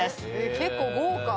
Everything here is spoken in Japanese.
結構豪華！